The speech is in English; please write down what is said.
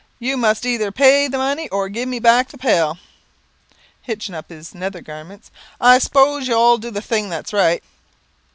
You must either pay the money, or give me back the pail. (Hitching up his nether garments) I s'pose you'll do the thing that's right."